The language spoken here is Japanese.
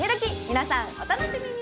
皆さんお楽しみに！